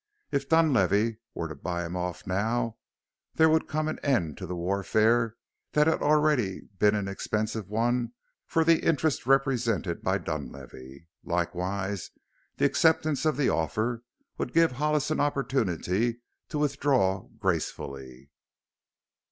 If Dunlavey were to buy him off now there would come an end to the warfare that had already been an expensive one for the interests represented by Dunlavey. Likewise, the acceptance of the offer would give Hollis an opportunity to withdraw gracefully.